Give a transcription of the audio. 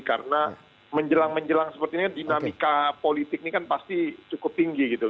karena menjelang menjelang seperti ini dinamika politik ini kan pasti cukup tinggi gitu loh